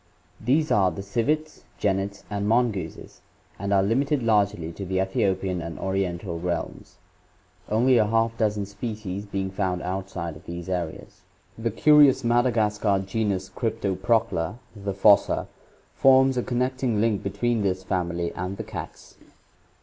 — These are the civets, genets, and mongooses, and are limited largely to the Ethiopian and Oriental realms, only a half dozen species being found outside of these areas. The curious Madagascar genus Cryptoprocta, the fossa, forms a connecting link between this family and the cats.